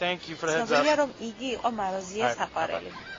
ცნობილია რომ იგი იყო მაროზიას საყვარელი.